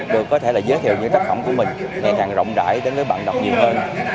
được có thể là giới thiệu những tác phẩm của mình ngày càng rộng rãi đến với bạn đọc nhiều hơn